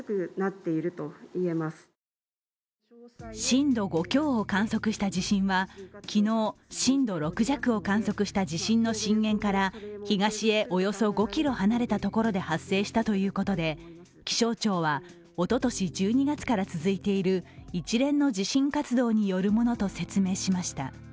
震度５強を観測した地震は昨日、震度６弱を観測した地震の震源から東へおよそ５ｋｍ離れたところで発生したということで気象庁はおととし１２月から続いている一連の地震活動によるものと説明しました。